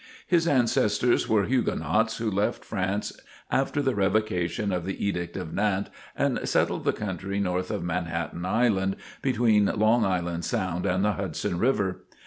His ancestors were Huguenots who left France after the revocation of the Edict of Nantes and settled the country north of Manhattan Island, between Long Island Sound and the Hudson River.